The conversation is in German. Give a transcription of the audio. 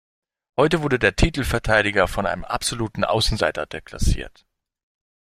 Heute wurde der Titelverteidiger von einem absoluten Außenseiter deklassiert.